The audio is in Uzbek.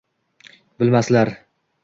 Bilmaslar.